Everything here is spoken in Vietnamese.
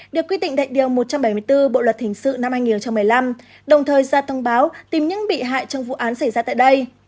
được quy định tại điều một trăm bảy mươi bốn bộ luật hình sự năm hai nghìn một mươi năm đồng thời ra thông báo tìm những bị hại trong vụ án xảy ra tại đây